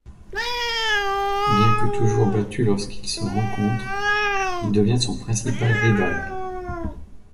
Bien que toujours battu lorsqu'ils se rencontrent, il devient son principal rival.